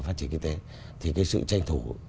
phát triển kinh tế thì cái sự tranh thủ